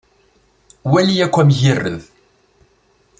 Wali akk amgired.